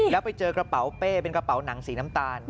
แล้วไปเจอกระเป๋าเป้เป็นกระเป๋าหนังสีน้ำตาล